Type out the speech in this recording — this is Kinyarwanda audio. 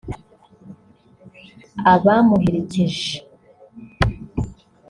abamuherekeje